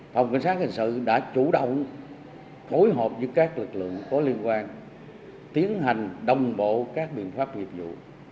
phòng cảnh sát hình sự đã chủ động mối hợp với các lực lượng có liên quan tiến hành đồng bộ các biện pháp hiệp dụng